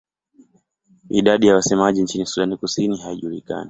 Idadi ya wasemaji nchini Sudan Kusini haijulikani.